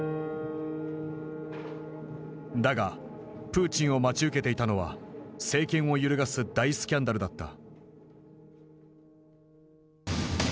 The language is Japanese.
だがプーチンを待ち受けていたのは政権を揺るがす大スキャンダルだった。